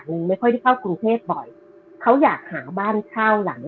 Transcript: คือเรื่องนี้มันเกิดมาประสบการณ์ของรุ่นนี้มีคนที่เล่าให้พี่ฟังคือชื่อน้องปลานะคะ